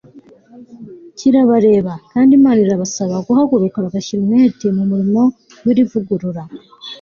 kirabareba, kandi imana irabasaba guhaguruka bagashyira umwete mu murimo w'iri vugurura